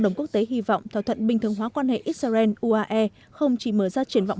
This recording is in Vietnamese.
đồng quốc tế hy vọng thỏa thuận bình thường hóa quan hệ israel uae không chỉ mở ra triển vọng